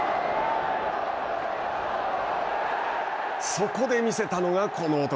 そこでみせたのが、この男。